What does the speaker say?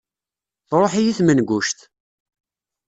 Truḥ-iyi tmenguct.